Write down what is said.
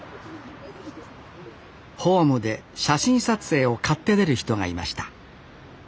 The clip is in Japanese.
ホームで写真撮影を買って出る人がいました。